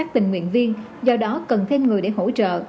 theo đó cần thêm người để hỗ trợ